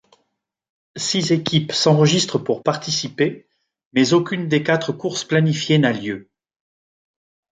Six équipes s'enregistrent pour participer, mais aucune des quatre courses planifiées n'a lieu.